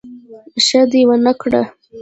ښه دي ونکړه